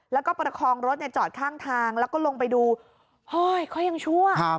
แล้วก็ประคองรถจอดข้างทางแล้วก็ลงไปดูเฮ้ยเขายังชั่ว